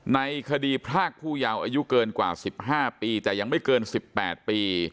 ในคดีพรากผู้ยาวอายุเกินกว่า๑๕ปีแต่ยังไม่เกิน๑๘ปี